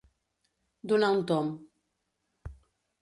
Donar un tomb.